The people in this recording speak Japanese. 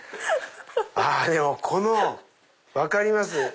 でもこの分かります。